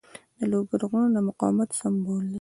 د لوګر غرونه د مقاومت سمبول دي.